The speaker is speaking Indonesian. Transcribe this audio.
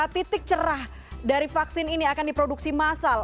titik cerah dari vaksin ini akan diproduksi massal